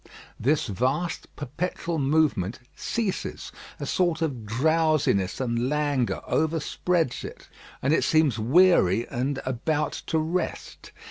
That vast perpetual movement ceases; a sort of drowsiness and languor overspreads it; and it seems weary and about to rest.